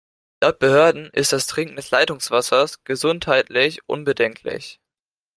Laut Behörden ist das Trinken des Leitungswassers gesundheitlich unbedenklich.